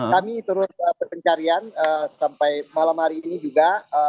kami terus berpencarian sampai malam hari ini juga